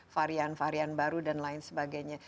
varian varian baru dan lain sebagainya